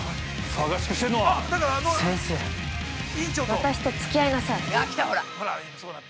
◆私とつき合いなさい。